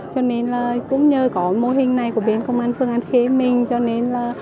cho nên là cũng nhờ có mô hình này của bên công an phường an khê mình cho nên là